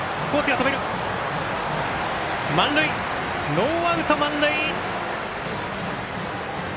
ノーアウト満塁！